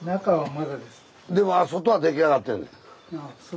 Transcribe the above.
でも外は出来上がってる？